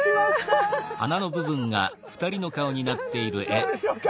どうでしょうか？